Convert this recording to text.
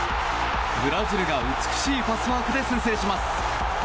ブラジルが美しいパスワークで先制します。